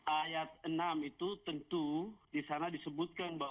ayat enam itu tentu di sana disebutkan bahwa